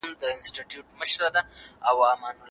خلک دا خطر جدي نیسي.